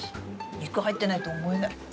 肉入ってないとは思えない。